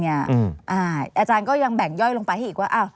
อาจารย์ก็ยังแบ่งย่อยลงไปให้อีกว่า